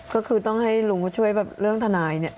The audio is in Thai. ก็คือต้องให้ลุงช่วยแบบเรื่องทนายเนี่ย